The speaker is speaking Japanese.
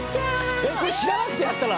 これ知らなくてやったら？